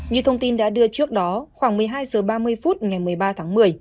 như thông tin đã đưa trước đó khoảng một mươi hai h ba mươi phút ngày một mươi ba tháng một mươi